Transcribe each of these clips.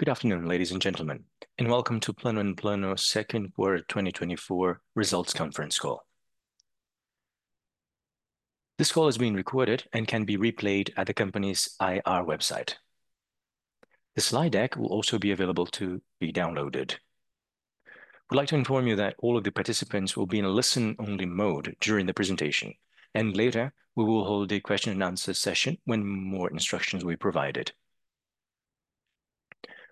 Good afternoon, ladies and gentlemen, and welcome to Plano & Plano second quarter 2024 results conference call. This call is being recorded and can be replayed at the company's IR website. The slide deck will also be available to be downloaded. I would like to inform you that all of the participants will be in a listen-only mode during the presentation, and later we will hold a question and answer session when more instructions will be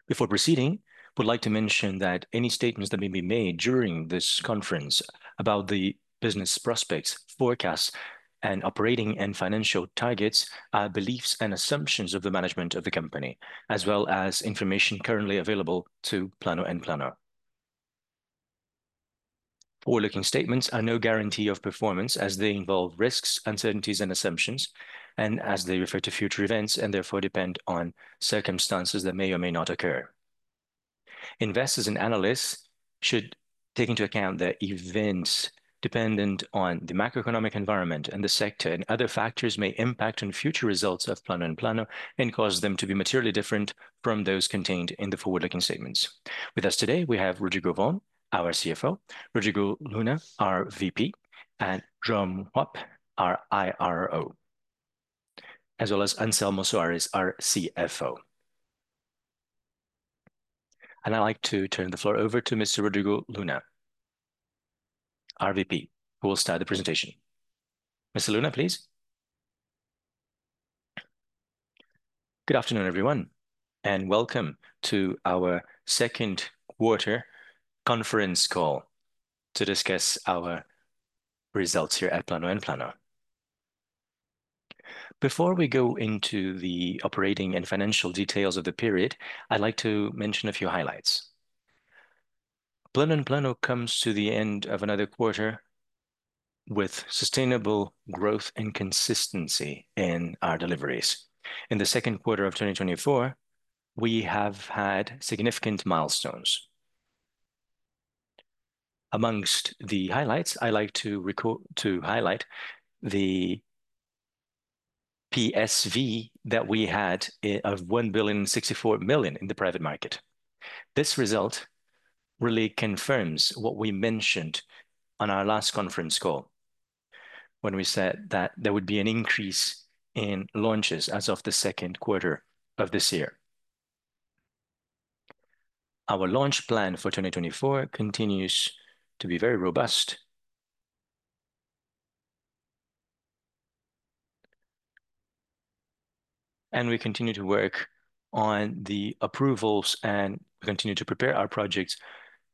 provided. Before proceeding, I would like to mention that any statements that may be made during this conference about the business prospects, forecasts, and operating and financial targets are beliefs and assumptions of the management of the company, as well as information currently available to Plano & Plano. Forward-looking statements are no guarantee of performance as they involve risks, uncertainties and assumptions, and as they refer to future events and therefore depend on circumstances that may or may not occur. Investors and analysts should take into account that events dependent on the macroeconomic environment and the sector and other factors may impact on future results of Plano & Plano and cause them to be materially different from those contained in the forward-looking statements. With us today, we have Rodrigo de Senna Vohs, our CFO, Rodrigo Uchoa Luna, our VP, and João Luís Ramos Hoppe, our IRO, as well as Anselmo Tolentino Soares Júnior, our CFO. I'd like to turn the floor over to Mr. Rodrigo Uchoa Luna, our VP, who will start the presentation. Mr. Luna, please. Good afternoon, everyone, and welcome to our second quarter conference call to discuss our results here at Plano & Plano. Before we go into the operating and financial details of the period, I'd like to mention a few highlights. Plano & Plano comes to the end of another quarter with sustainable growth and consistency in our deliveries. In the second quarter of 2024, we have had significant milestones. Among the highlights, I like to highlight the PSV that we had of 1,064 million in the private market. This result really confirms what we mentioned on our last conference call when we said that there would be an increase in launches as of the second quarter of this year. Our launch plan for 2024 continues to be very robust. We continue to work on the approvals, and we continue to prepare our projects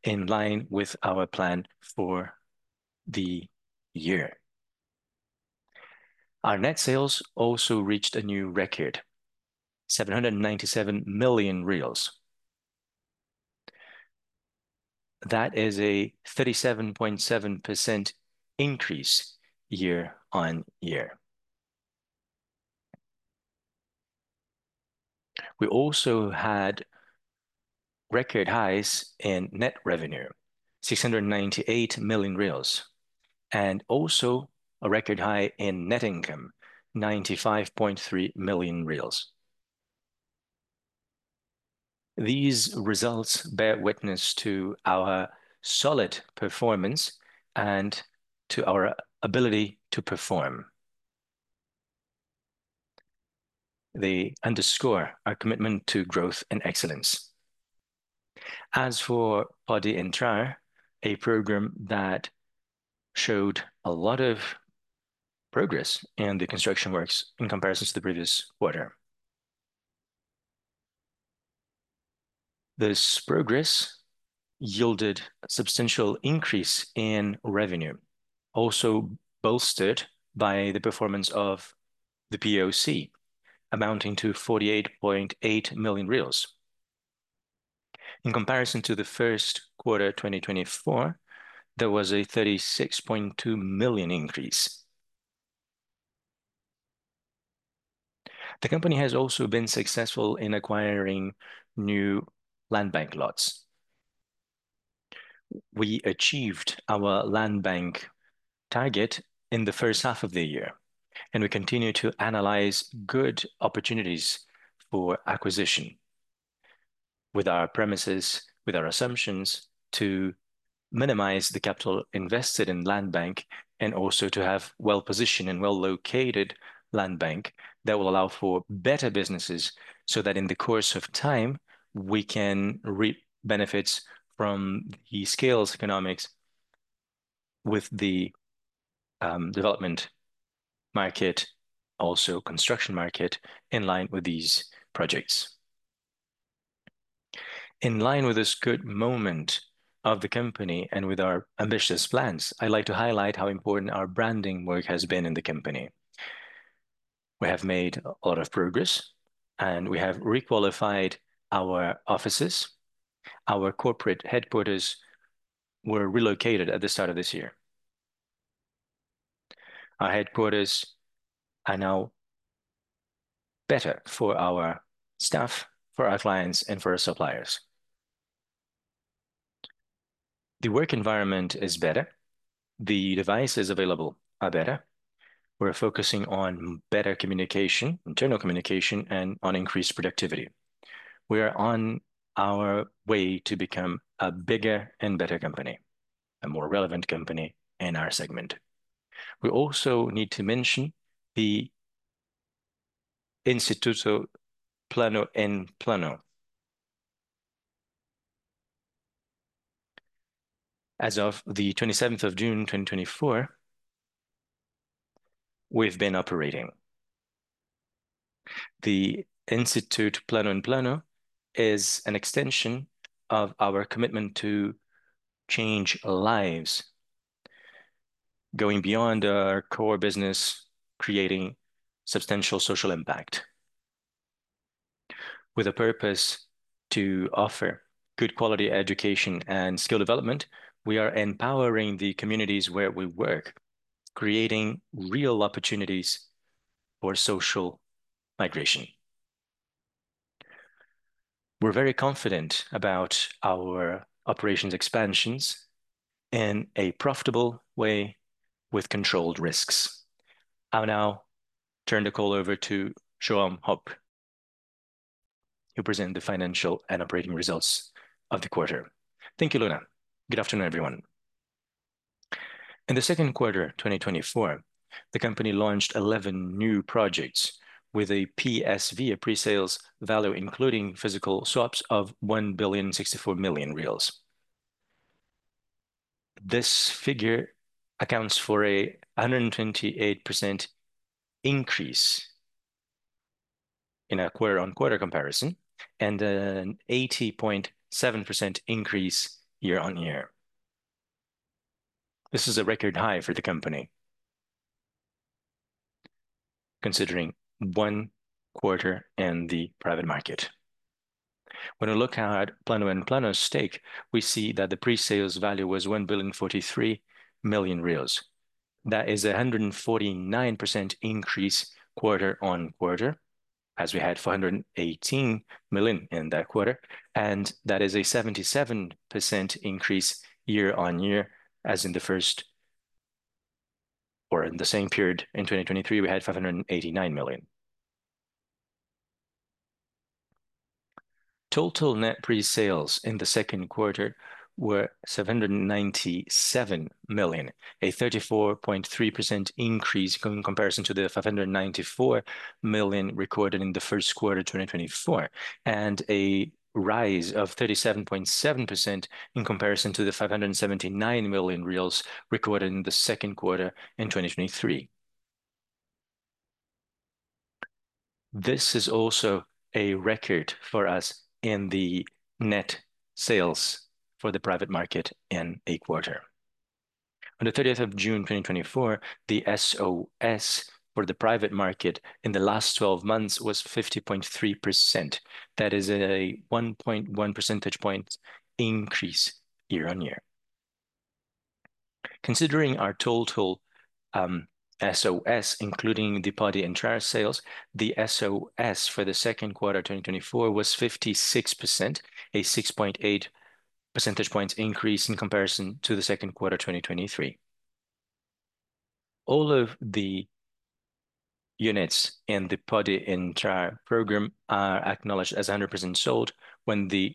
in line with our plan for the year. Our net sales also reached a new record, 797 million. That is a 37.7% increase year-on-year. We also had record highs in net revenue, 698 million reais, and also a record high in net income, 95.3 million reais. These results bear witness to our solid performance and to our ability to perform. They underscore our commitment to growth and excellence. As for Pode Entrar, a program that showed a lot of progress in the construction works in comparison to the previous quarter. This progress yielded substantial increase in revenue, also bolstered by the performance of the POC amounting to 48.8 million reais. In comparison to the first quarter 2024, there was a 36.2 million increase. The company has also been successful in acquiring new land bank lots. We achieved our land bank target in the first half of the year, and we continue to analyze good opportunities for acquisition with our premises, with our assumptions to minimize the capital invested in land bank and also to have well-positioned and well-located land bank that will allow for better businesses, so that in the course of time, we can reap benefits from the scale economics with the development market, also construction market in line with these projects. In line with this good moment of the company and with our ambitious plans, I'd like to highlight how important our branding work has been in the company. We have made a lot of progress, and we have re-qualified our offices. Our corporate headquarters were relocated at the start of this year. Our headquarters are now better for our staff, for our clients and for our suppliers. The work environment is better. The devices available are better. We're focusing on better communication, internal communication, and on increased productivity. We are on our way to become a bigger and better company, a more relevant company in our segment. We also need to mention the Instituto Plano & Plano. As of the 27th of June, 2024, we've been operating. The Instituto Plano & Plano is an extension of our commitment to change lives, going beyond our core business, creating substantial social impact. With a purpose to offer good quality education and skill development, we are empowering the communities where we work, creating real opportunities for social migration. We're very confident about our operations expansions in a profitable way with controlled risks. I'll now turn the call over to João Hoppe, who'll present the financial and operating results of the quarter. Thank you, Luna. Good afternoon, everyone. In the second quarter of 2024, the company launched 11 new projects with a PSV, a pre-sales value, including physical swaps of 1.064 billion reais. This figure accounts for a 128% increase in a quarter-on-quarter comparison, and an 80.7% increase year-on-year. This is a record high for the company considering one quarter in the private market. When we look at Plano & Plano's stake, we see that the pre-sales value was 1.043 billion. That is a 149% increase quarter-on-quarter, as we had 418 million in that quarter, and that is a 77% increase year-on-year, as in the same period in 2023, we had 589 million. Total net pre-sales in the second quarter were 797 million, a 34.3% increase in comparison to the 594 million recorded in the first quarter of 2024, and a rise of 37.7% in comparison to the 579 million recorded in the second quarter in 2023. This is also a record for us in the net sales for the private market in a quarter. On the thirtieth of June, 2024, the VSO for the private market in the last twelve months was 50.3%. That is a 1.1 percentage point increase year-on-year. Considering our total, VSO, including the Pode Entrar sales, the VSO for the second quarter of 2024 was 56%, a 6.8 percentage points increase in comparison to the second quarter of 2023. All of the units in the Pode Entrar program are acknowledged as 100% sold when the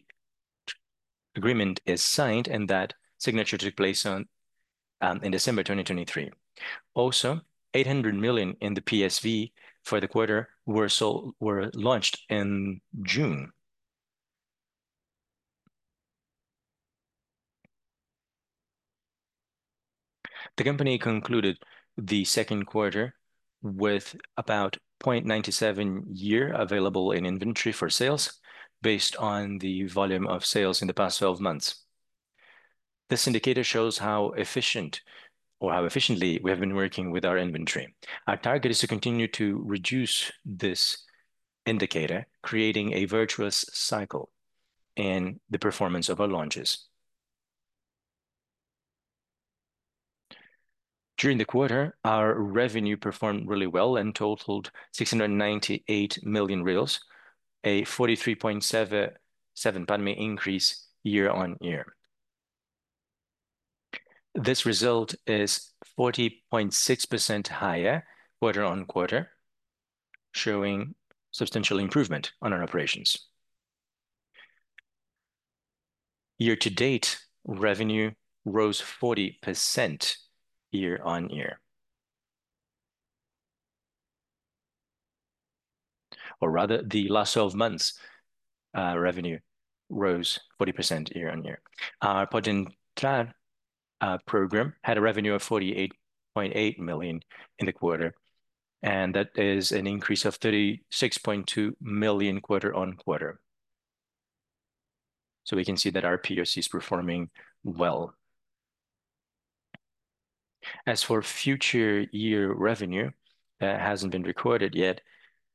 agreement is signed, and that signature took place in December 2023. Also, 800 million in the PSV for the quarter were launched in June. The company concluded the second quarter with about 0.97 year available in inventory for sales based on the volume of sales in the past 12 months. This indicator shows how efficient or how efficiently we have been working with our inventory. Our target is to continue to reduce this indicator, creating a virtuous cycle in the performance of our launches. During the quarter, our revenue performed really well and totaled 698 million, a 43.77, pardon me, increase year-on-year. This result is 40.6% higher quarter-on-quarter, showing substantial improvement on our operations. Year-to-date revenue rose 40% year-on-year. Or rather the last twelve months, revenue rose 40% year-on-year. Our Pode Entrar program had a revenue of 48.8 million in the quarter, and that is an increase of 36.2 million quarter-on-quarter. So we can see that our POC is performing well. As for future year revenue that hasn't been recorded yet,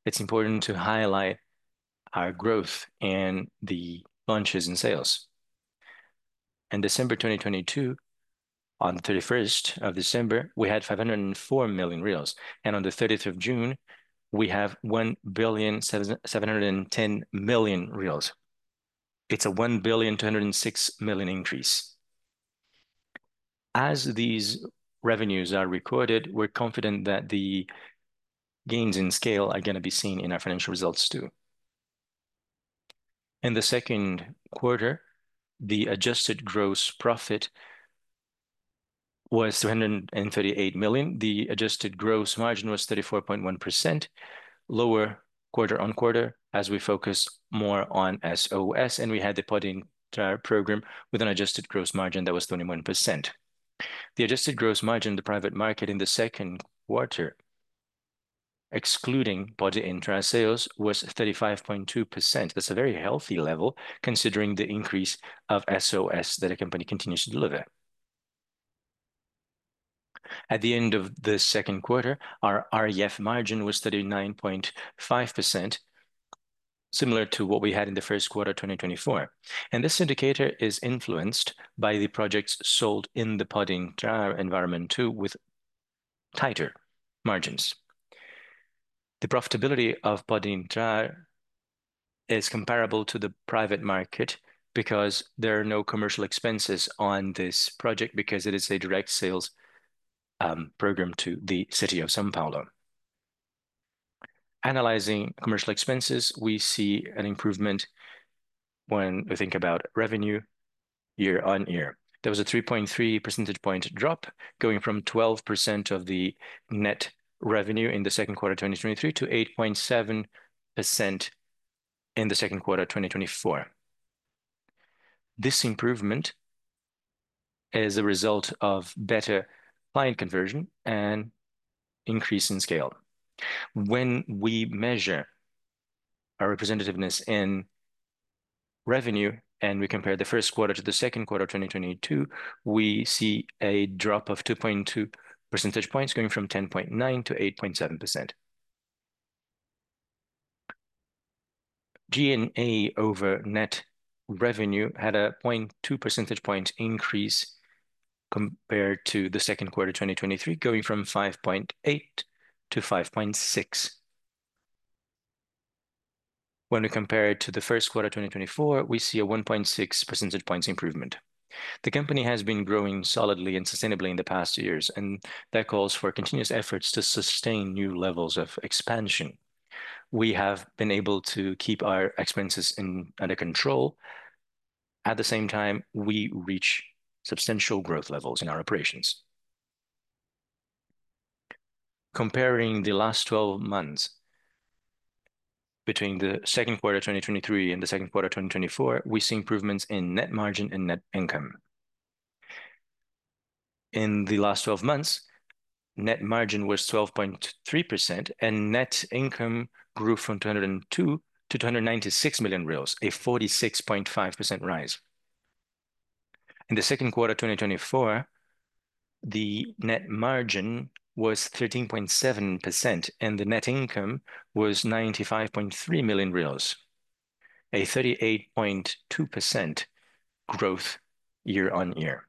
it's important to highlight our growth in the launches and sales. In December 2022. On the thirty-first of December, we had 504 million, and on the thirtieth of June, we have 1,770 million. It's a 1.206 billion increase. As these revenues are recorded, we're confident that the gains in scale are gonna be seen in our financial results too. In the second quarter, the adjusted gross profit was 238 million. The adjusted gross margin was 34.1%, lower quarter-on-quarter as we focus more on VSO, and we had the Pode Entrar program with an adjusted gross margin that was 21%. The adjusted gross margin in the private market in the second quarter, excluding Pode Entrar sales, was 35.2%. That's a very healthy level considering the increase of VSO that a company continues to deliver. At the end of the second quarter, our REF margin was 39.5%, similar to what we had in the first quarter of 2024. This indicator is influenced by the projects sold in the Pode Entrar environment too with tighter margins. The profitability of Pode Entrar is comparable to the private market because there are no commercial expenses on this project because it is a direct sales program to the city of São Paulo. Analyzing commercial expenses, we see an improvement when we think about revenue year-on-year. There was a 3.3 percentage point drop going from 12% of the net revenue in the second quarter of 2023 to 8.7% in the second quarter of 2024. This improvement is a result of better client conversion and increase in scale. When we measure our representativeness in revenue and we compare the first quarter to the second quarter of 2022, we see a drop of 2.2 percentage points going from 10.9%-8.7%. G&A over net revenue had a 0.2 percentage point increase compared to the second quarter of 2023, going from 5.8-5.6. When we compare it to the first quarter of 2024, we see a 1.6 percentage points improvement. The company has been growing solidly and sustainably in the past years, and that calls for continuous efforts to sustain new levels of expansion. We have been able to keep our expenses under control. At the same time, we reach substantial growth levels in our operations. Comparing the last 12 months between the second quarter of 2023 and the second quarter of 2024, we see improvements in net margin and net income. In the last twelve months, net margin was 12.3% and net income grew from 202 million to 296 million reais, a 46.5% rise. In the second quarter of 2024, the net margin was 13.7% and the net income was 95.3 million reais, a 38.2% growth year-on-year.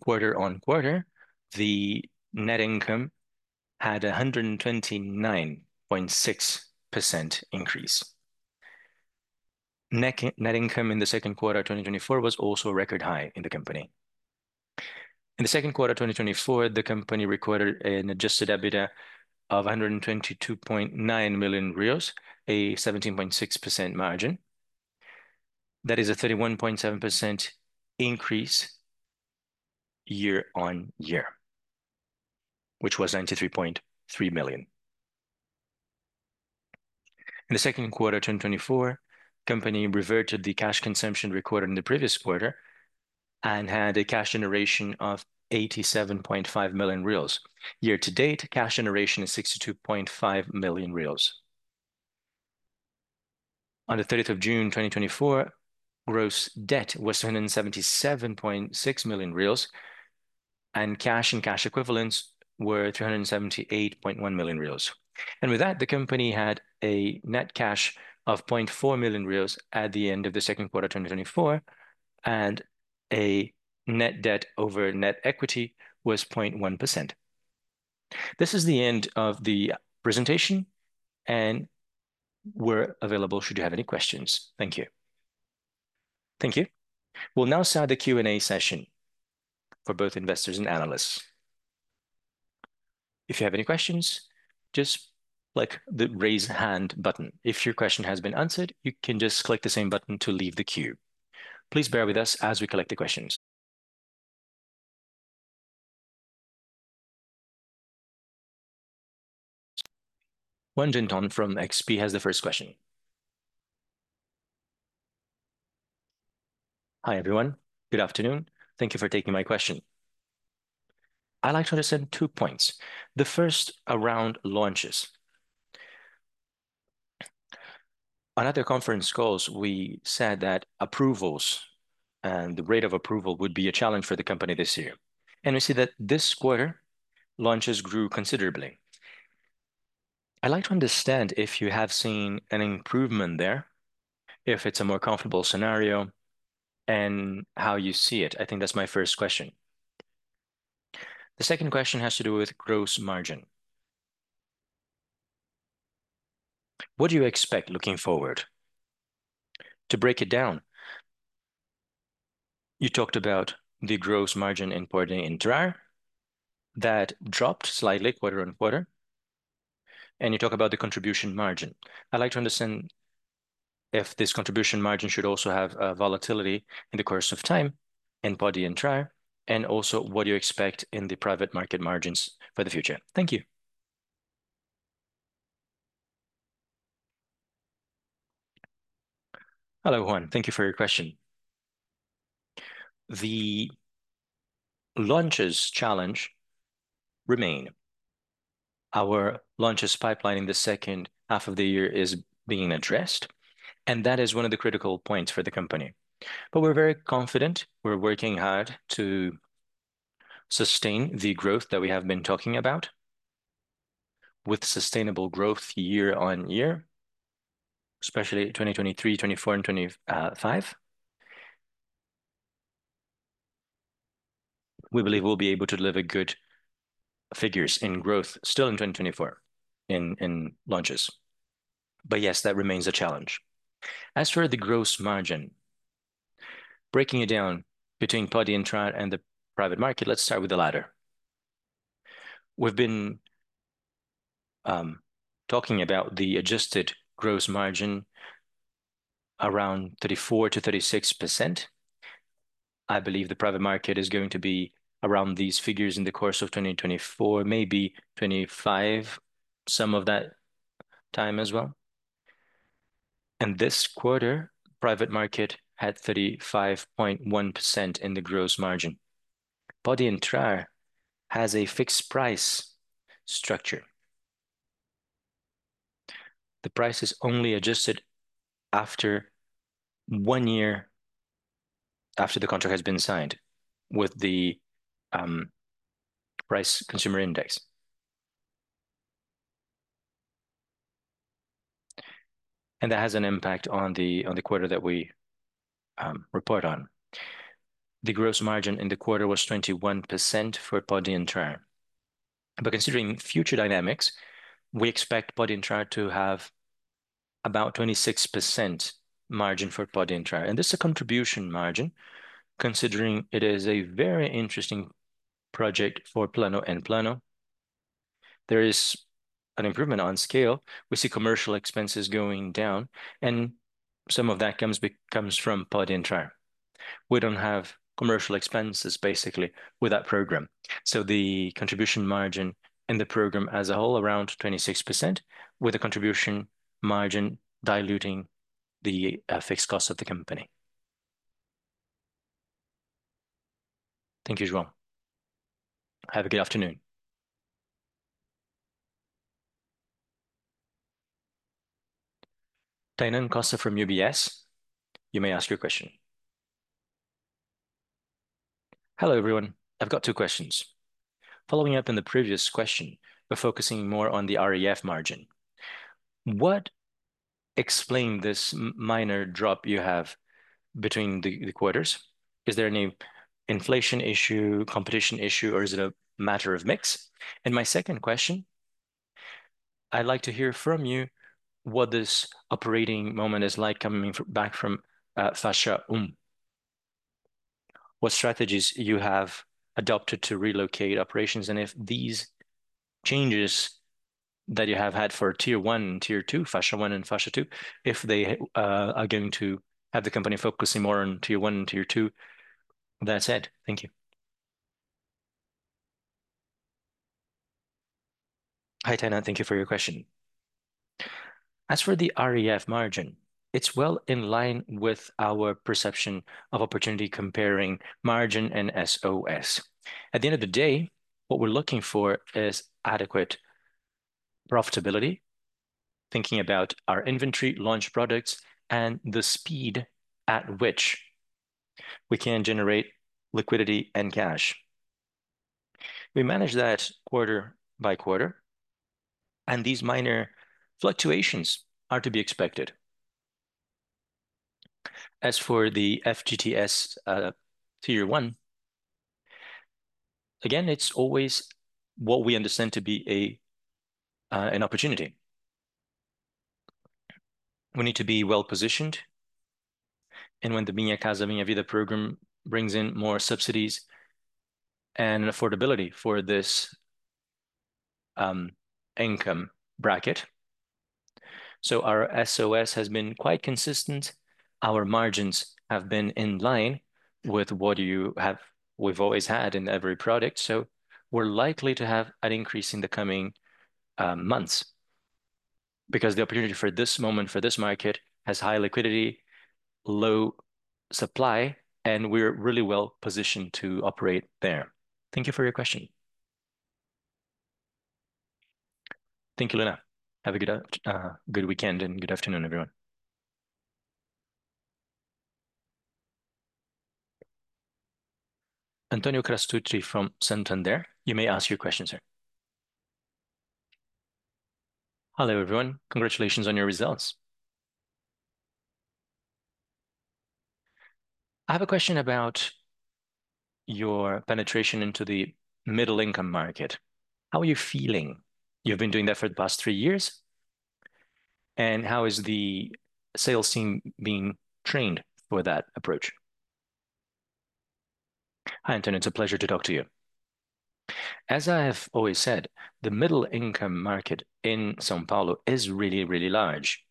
Quarter-on-quarter, the net income had a 129.6% increase. Net income in the second quarter of 2024 was also a record high in the company. In the second quarter of 2024, the company recorded an adjusted EBITDA of 122.9 million, a 17.6% margin. That is a 31.7% increase year-on-year, which was 93.3 million. In the second quarter of 2024, the company reverted the cash consumption recorded in the previous quarter and had a cash generation of 87.5 million reais. Year to date, cash generation is 62.5 million reais. On the 30th of June, 2024, gross debt was 277.6 million reais, and cash and cash equivalents were 278.1 million reais. With that, the company had a net cash of 0.4 million reais at the end of the second quarter of 2024, and a net debt over net equity was 0.1%. This is the end of the presentation, and we're available should you have any questions. Thank you. Thank you. We'll now start the Q&A session for both investors and analysts. If you have any questions, just click the Raise Hand button. If your question has been answered, you can just click the same button to leave the queue. Please bear with us as we collect the questions. Juan Jinton from XP has the first question. Hi, everyone. Good afternoon. Thank you for taking my question. I'd like to understand two points. The first around launches. On other conference calls, we said that approvals and the rate of approval would be a challenge for the company this year. We see that this quarter, launches grew considerably. I'd like to understand if you have seen an improvement there, if it's a more comfortable scenario, and how you see it. I think that's my first question. The second question has to do with gross margin. What do you expect looking forward? To break it down, you talked about the gross margin in Pode Entrar that dropped slightly quarter-over-quarter, and you talk about the contribution margin. I'd like to understand if this contribution margin should also have volatility in the course of time in Pode Entrar, and also what you expect in the private market margins for the future. Thank you. Hello, Juan. Thank you for your question. The launches challenge remain. Our launches pipeline in the second half of the year is being addressed, and that is one of the critical points for the company. We're very confident. We're working hard to sustain the growth that we have been talking about with sustainable growth year on year, especially 2023, 2024 and 2025. We believe we'll be able to deliver good figures in growth still in 2024 in launches. Yes, that remains a challenge. As for the gross margin, breaking it down between Podia and Trair and the private market, let's start with the latter. We've been talking about the adjusted gross margin around 34%-36%. I believe the private market is going to be around these figures in the course of 2024, maybe 2025 some of that time as well. This quarter, private market had 35.1% in the gross margin. Pode Entrar has a fixed price structure. The price is only adjusted after one year after the contract has been signed with the consumer price index. That has an impact on the quarter that we report on. The gross margin in the quarter was 21% for Pode Entrar. Considering future dynamics, we expect Pode Entrar to have about 26% margin for Pode Entrar. This is a contribution margin, considering it is a very interesting project for Plano & Plano. There is an improvement on scale. We see commercial expenses going down, and some of that comes from Pode Entrar. We don't have commercial expenses basically with that program. The contribution margin in the program as a whole around 26%, with the contribution margin diluting the fixed costs of the company. Thank you, Juan. Have a good afternoon. Tainá Costa from UBS, you may ask your question. Hello, everyone. I've got two questions. Following up on the previous question, but focusing more on the REF margin, what explain this minor drop you have between the quarters? Is there any inflation issue, competition issue, or is it a matter of mix? My second question, I'd like to hear from you what this operating moment is like coming back from Faixa 1. What strategies you have adopted to relocate operations, and if these changes that you have had for tier 1 and tier 2, Faixa 1 and Faixa 2, if they are going to have the company focusing more on tier 1 and tier 2? That's it. Thank you. Hi, Taina. Thank you for your question. As for the REF margin, it's well in line with our perception of opportunity comparing margin and VSO. At the end of the day, what we're looking for is adequate profitability, thinking about our inventory, launch products, and the speed at which we can generate liquidity and cash. We manage that quarter by quarter, and these minor fluctuations are to be expected. As for the FGTS, tier 1, again, it's always what we understand to be an opportunity. We need to be well-positioned, and when the Minha Casa, Minha Vida program brings in more subsidies and affordability for this income bracket. Our VSO has been quite consistent. Our margins have been in line with what you have. We've always had in every product. We're likely to have an increase in the coming months because the opportunity for this moment, for this market, has high liquidity, low supply, and we're really well-positioned to operate there. Thank you for your question. Thank you, Taina. Have a good weekend and good afternoon, everyone. Antonio Crisci from Santander, you may ask your questions, sir. Hello, everyone. Congratulations on your results. I have a question about your penetration into the middle income market. How are you feeling? You've been doing that for the past three years. How is the sales team being trained for that approach? Hi, Antonio. It's a pleasure to talk to you. As I have always said, the middle income market in São Paulo is really, really large.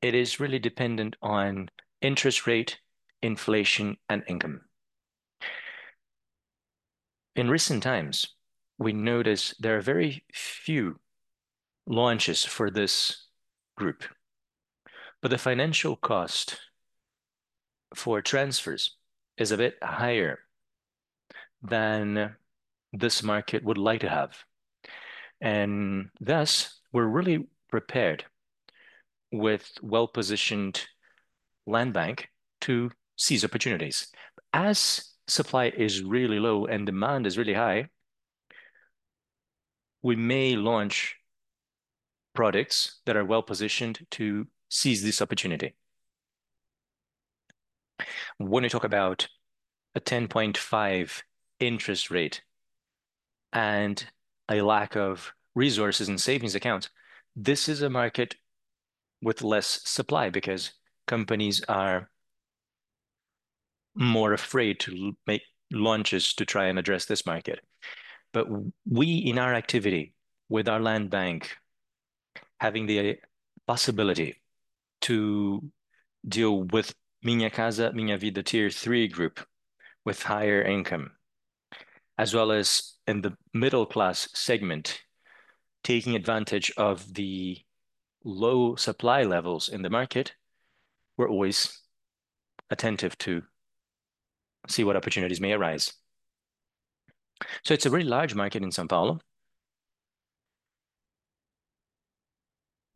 It is really dependent on interest rate, inflation, and income. In recent times, we notice there are very few launches for this group, but the financial cost for transfers is a bit higher than this market would like to have. Thus, we're really prepared with well-positioned land bank to seize opportunities. As supply is really low and demand is really high, we may launch products that are well-positioned to seize this opportunity. When you talk about a 10.5 interest rate and a lack of resources and savings accounts, this is a market with less supply because companies are more afraid to make launches to try and address this market. We, in our activity with our land bank, having the possibility to deal with Minha Casa, Minha Vida tier three group with higher income, as well as in the middle class segment, taking advantage of the low supply levels in the market, we're always attentive to see what opportunities may arise. It's a very large market in São Paulo,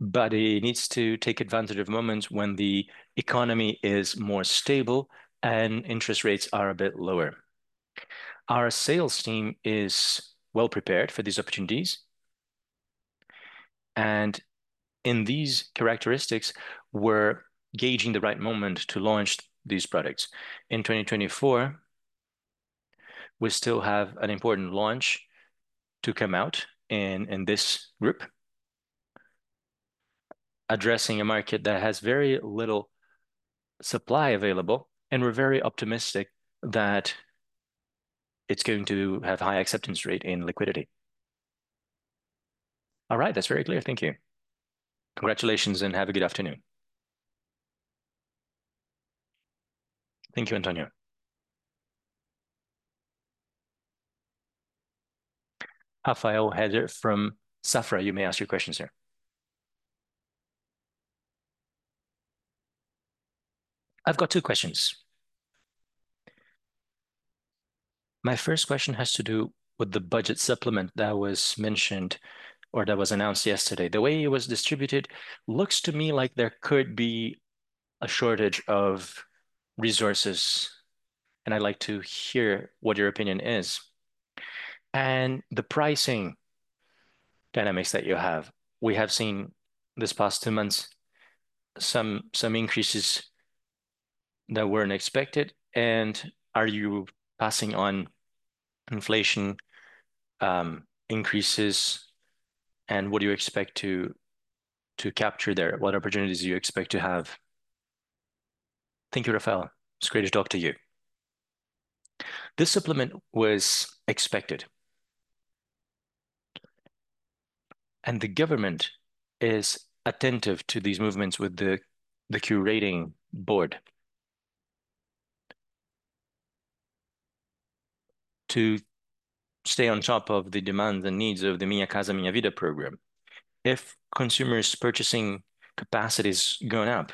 but it needs to take advantage of moments when the economy is more stable and interest rates are a bit lower. Our sales team is well prepared for these opportunities. In these characteristics, we're gauging the right moment to launch these products. In 2024, we still have an important launch to come out in this group addressing a market that has very little supply available, and we're very optimistic that it's going to have high acceptance rate and liquidity. All right. That's very clear. Thank you. Congratulations, and have a good afternoon. Thank you, Antonio. Rafael Rehde from Safra, you may ask your questions, sir. I've got two questions. My first question has to do with the budget supplement that was mentioned or that was announced yesterday. The way it was distributed looks to me like there could be a shortage of resources, and I'd like to hear what your opinion is. The pricing dynamics that you have. We have seen this past two months some increases that weren't expected. Are you passing on inflation increases, and what do you expect to capture there? What opportunities do you expect to have? Thank you, Rafael. It's great to talk to you. This supplement was expected. The government is attentive to these movements with the curatorship board to stay on top of the demand and needs of the Minha Casa, Minha Vida program. If consumers' purchasing capacity's gone up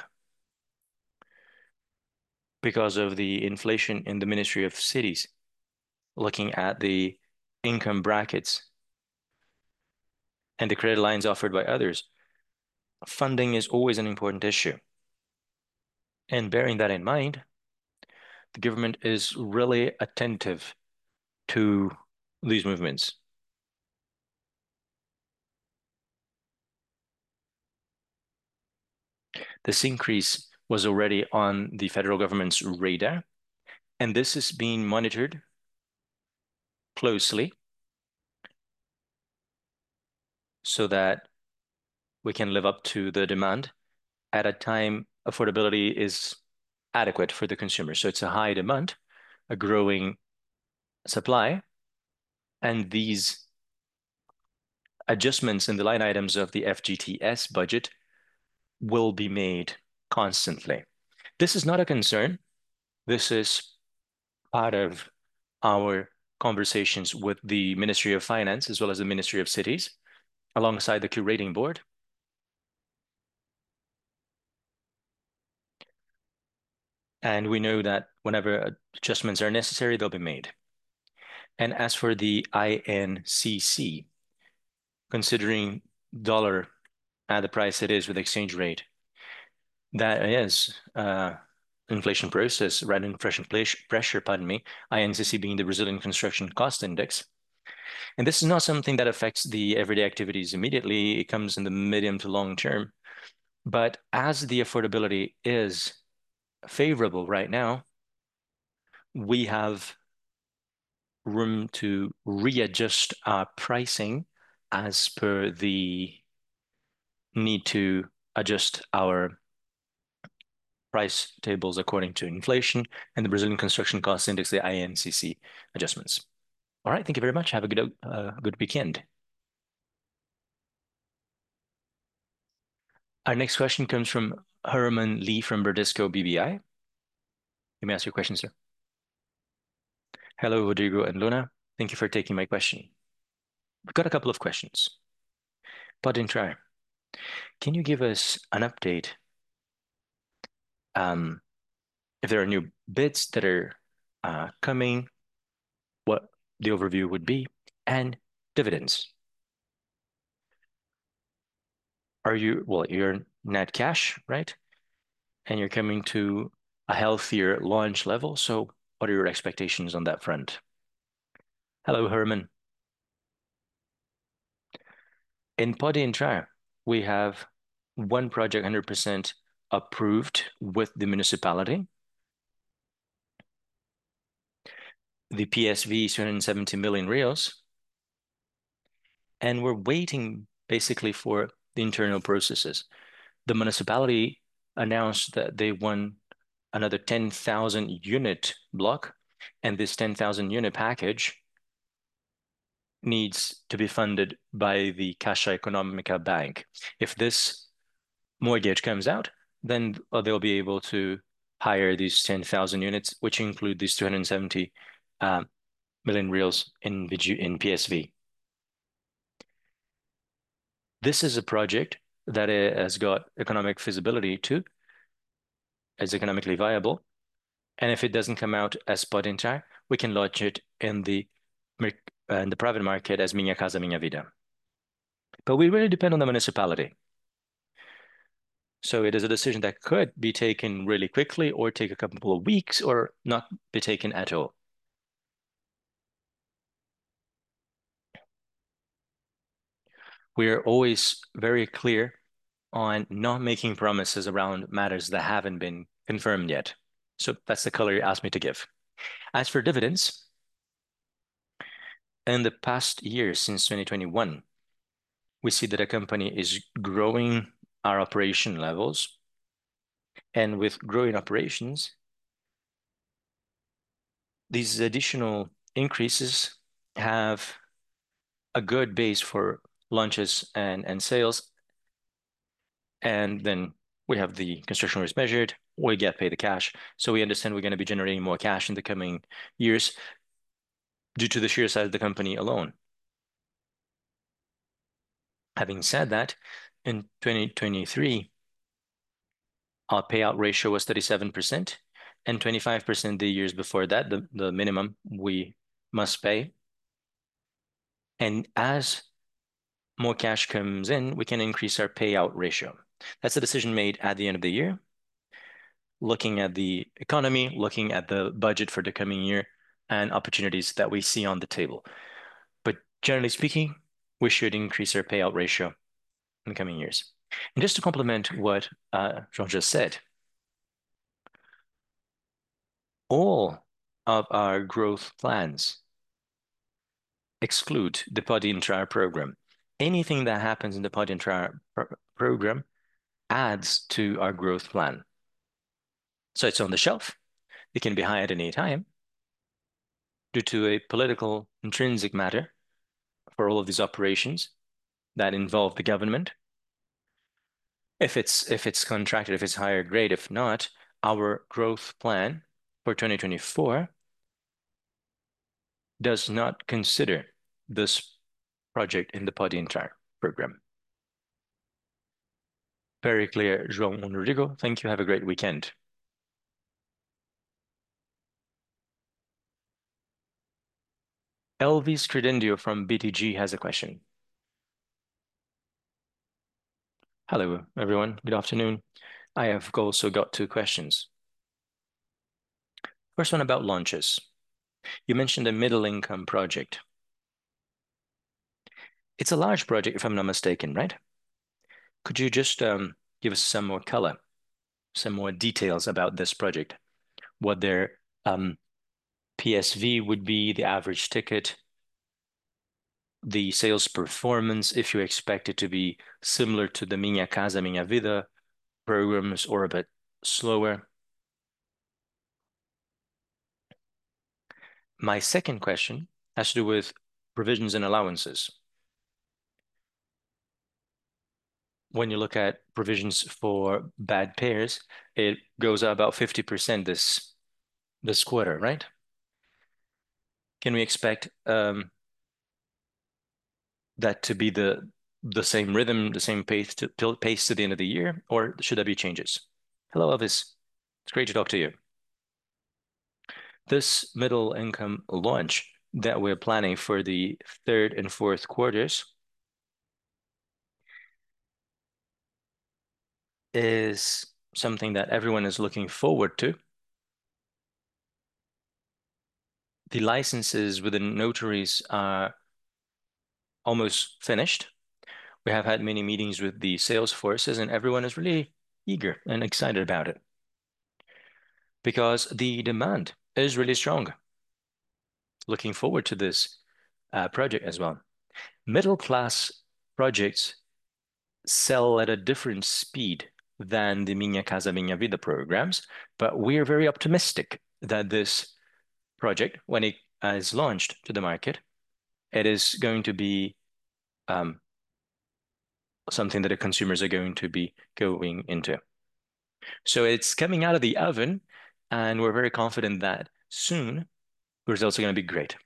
because of the inflation. The Ministry of Cities, looking at the income brackets and the credit lines offered by others, funding is always an important issue. Bearing that in mind, the government is really attentive to these movements. This increase was already on the federal government's radar, and this is being monitored closely so that we can live up to the demand at a time when affordability is adequate for the consumer. It's a high demand, a growing supply, and these adjustments in the line items of the FGTS budget will be made constantly. This is not a concern. This is part of our conversations with the Ministry of Finance as well as the Ministry of Cities, alongside the curating board. We know that whenever adjustments are necessary, they'll be made. As for the INCC, considering dollar at the price it is with exchange rate, that is, inflation process, right, inflation pressure, pardon me, INCC being the National Civil Construction Cost Index. This is not something that affects the everyday activities immediately. It comes in the medium to long term. As the affordability is favorable right now, we have room to readjust our pricing as per the need to adjust our price tables according to inflation and the National Civil Construction Cost Index, the INCC adjustments. All right. Thank you very much. Have a good weekend. Our next question comes from Herman Lee from Bradesco BBI. You may ask your question, sir. Hello, Rodrigo and Luna. Thank you for taking my question. I've got a couple of questions. Pode Entrar, can you give us an update if there are new bids that are coming, what the overview would be? Dividends. Well, you're net cash, right? And you're coming to a healthier leverage level, so what are your expectations on that front? Hello, Herman. In Pode Entrar, we have one project 100% approved with the municipality. The PSV is 270 million, and we're waiting basically for the internal processes. The municipality announced that they won another 10,000-unit block, and this 10,000-unit package needs to be funded by the Caixa Econômica Federal. If this mortgage comes out, then they'll be able to hire these 10,000 units, which include these 270 million in PSV. This is a project that has got economic feasibility too. It's economically viable, and if it doesn't come out as Pode Entrar, we can launch it in the private market as Minha Casa, Minha Vida. We really depend on the municipality. It is a decision that could be taken really quickly or take a couple of weeks or not be taken at all. We are always very clear on not making promises around matters that haven't been confirmed yet, so that's the color you asked me to give. As for dividends, in the past year since 2021, we see that our company is growing our operation levels, and with growing operations these additional increases have a good base for launches and sales. We have the construction risk measured. We get paid the cash, so we understand we're gonna be generating more cash in the coming years due to the sheer size of the company alone. Having said that, in 2023, our payout ratio was 37% and 25% the years before that, the minimum we must pay. As more cash comes in, we can increase our payout ratio. That's a decision made at the end of the year looking at the economy, looking at the budget for the coming year and opportunities that we see on the table. Generally speaking, we should increase our payout ratio in the coming years. Just to complement what Juan just said, all of our growth plans exclude the Pode Entrar program. Anything that happens in the Pode Entrar program adds to our growth plan. It's on the shelf. It can be higher any time due to a political intrinsic matter for all of these operations that involve the government. If it's contracted, if it's higher grade, if not, our growth plan for 2024 does not consider this project in the Pode Entrar program. Very clear, João and Rodrigo. Thank you. Have a great weekend. Elvis Credendio from BTG has a question. Hello, everyone. Good afternoon. I have also got two questions. First one about launches. You mentioned a middle income project. It's a large project if I'm not mistaken, right? Could you just give us some more color, some more details about this project? What their PSV would be, the average ticket, the sales performance, if you expect it to be similar to the Minha Casa, Minha Vida programs or a bit slower. My second question has to do with provisions and allowances. When you look at provisions for bad payers, it goes up about 50% this quarter, right? Can we expect that to be the same rhythm, the same pace to the end of the year, or should there be changes? Hello, Elvis. It's great to talk to you. This middle income launch that we're planning for the third and fourth quarters is something that everyone is looking forward to. The licenses with the notaries are almost finished. We have had many meetings with the sales forces, and everyone is really eager and excited about it because the demand is really strong. Looking forward to this project as well. Middle class projects sell at a different speed than the Minha Casa, Minha Vida programs, but we're very optimistic that this project, when it is launched to the market, it is going to be something that our consumers are going to be going into. It's coming out of the oven, and we're very confident that soon results are gonna be great.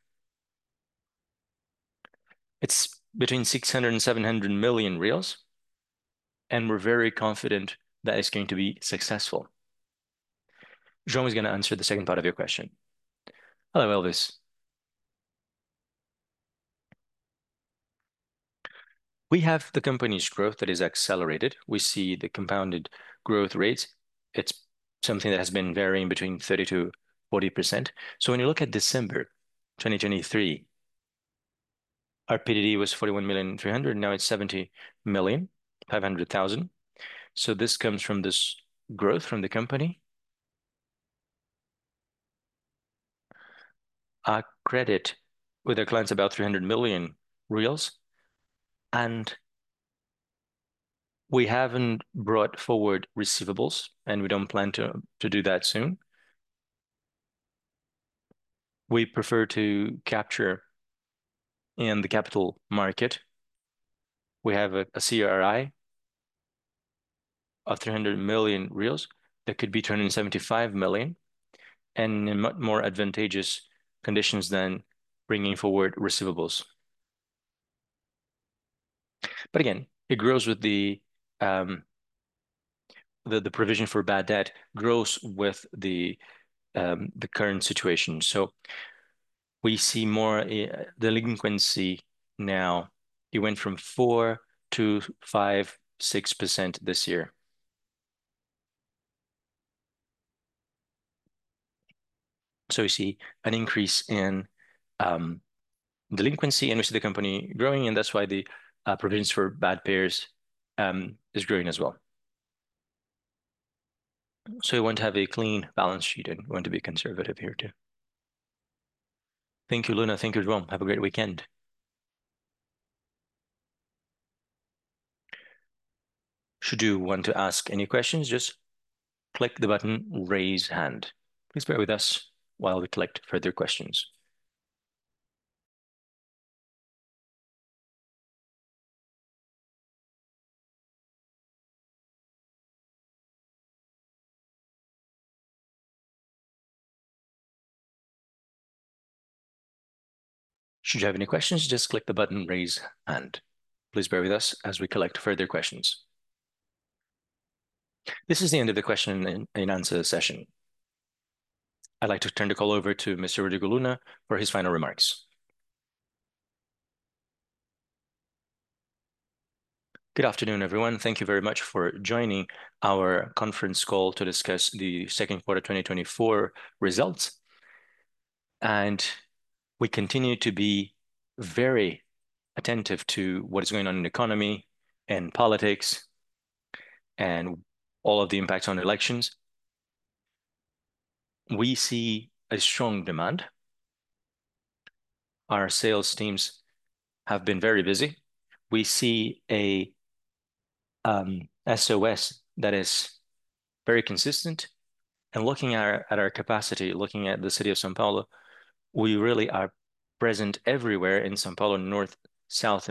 It's between 600 million and 700 million, and we're very confident that it's going to be successful. João is gonna answer the second part of your question. Hello, Elvis. We have the company's growth that is accelerated. We see the compounded growth rates. It's something that has been varying between 30%-40%. When you look at December 2023, our PDD was 41.3 million, now it's 70.5 million. This comes from this growth from the company. Our credit with our clients is about 300 million reais, and we haven't brought forward receivables, and we don't plan to do that soon. We prefer to capture in the capital market. We have a CRI of 300 million that could be turned in 75 million in much more advantageous conditions than bringing forward receivables. But again, it grows with the provision for bad debt grows with the current situation. We see more delinquency now. It went from 4%-6% this year. We see an increase in delinquency, and we see the company growing, and that's why the provisions for bad payers is growing as well. We want to have a clean balance sheet and we want to be conservative here too. Thank you, Luna. Thank you, João. Have a great weekend. Should you want to ask any questions, just click the button Raise Hand. Please bear with uswhile we collect further questions. Should you have any questions, just click the button Raise Hand. Please bear with us as we collect further questions. This is the end of the question and answer session. I'd like to turn the call over to Mr. Rodrigo Luna for his final remarks. Good afternoon, everyone. Thank you very much for joining our conference call to discuss the second quarter 2024 results. We continue to be very attentive to what is going on in the economy and politics and all of the impacts on elections. We see a strong demand. Our sales teams have been very busy. We see a VSO that is very consistent. Looking at our capacity, looking at the city of São Paulo, we really are present everywhere in São Paulo, North, South,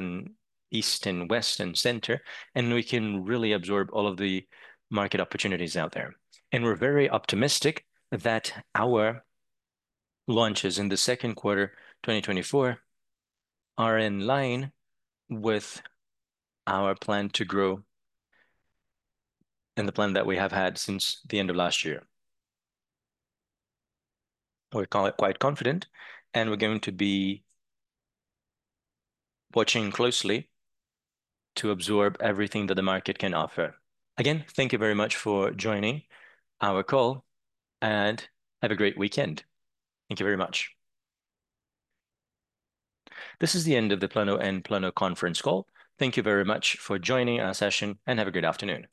East, West, and Center, and we can really absorb all of the market opportunities out there. We're very optimistic that our launches in the second quarter 2024 are in line with our plan to grow and the plan that we have had since the end of last year. We're quite confident, and we're going to be watching closely to absorb everything that the market can offer. Again, thank you very much for joining our call, and have a great weekend. Thank you very much. This is the end of the Plano & Plano conference call. Thank you very much for joining our session, and have a good afternoon.